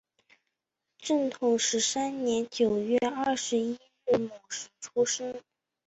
正统十三年九月二十一日戌时出生。